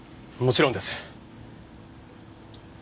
もちろんです。